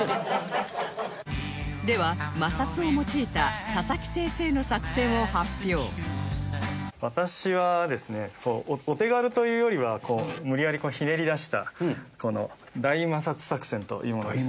では私はですねお手軽というよりは無理やりひねり出したこの大摩擦作戦というものです。